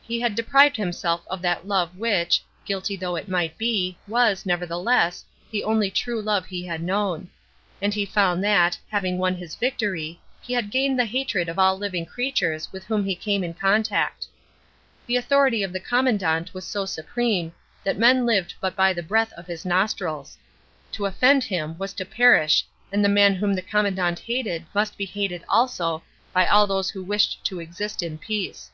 He had deprived himself of that love which, guilty though it might be, was, nevertheless, the only true love he had known; and he found that, having won this victory, he had gained the hatred of all living creatures with whom he came in contact. The authority of the Commandant was so supreme that men lived but by the breath of his nostrils. To offend him was to perish and the man whom the Commandant hated must be hated also by all those who wished to exist in peace.